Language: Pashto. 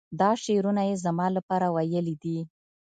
دا شعرونه یې زما لپاره ویلي دي.